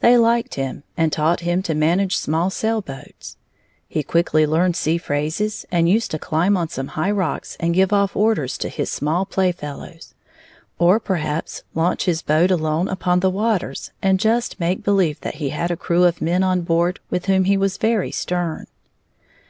They liked him and taught him to manage small sailboats. He quickly learned sea phrases and used to climb on some high rock and give off orders to his small play fellows, or perhaps launch his boat alone upon the waters and just make believe that he had a crew of men on board with whom he was very stern.